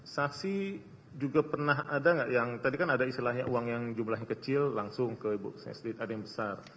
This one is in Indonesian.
saksi juga pernah ada nggak yang tadi kan ada istilahnya uang yang jumlahnya kecil langsung ke ibu saya sendiri ada yang besar